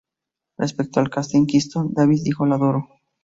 Respecto al casting de Kingston, Davis dijo "¡La adoro!